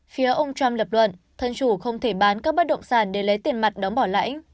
phía ông trump lập luận thân chủ không thể bán các bất động sản để lấy tiền mặt đóng bảo lãnh